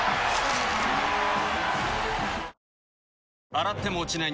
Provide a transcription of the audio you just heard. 洗っても落ちない